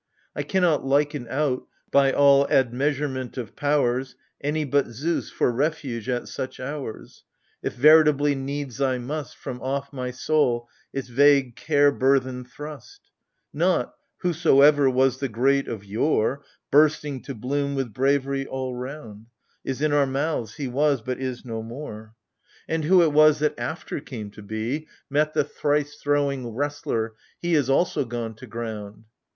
I cannot liken out, by all Admeasurement of powers, Any but Zeus for refuge at such hours, If veritably needs I must From off my soul its vague care burthen thrust Not — whosoever was the great of yore, Bursting to bloom with bravery all round — Is in our mouths : he was, but is no more. i6 AGAMEMNON. And who it was that after came to be, Met the thrice throwing wrestler, — he Is also gone to ground.